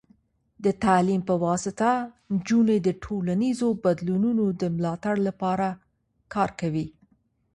د تعلیم په واسطه، نجونې د ټولنیزو بدلونونو د ملاتړ لپاره کار کوي.